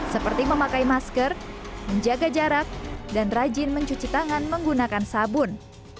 seperti memakai masker menjaga jarak dan rajin mencuci tangan menggunakan sabun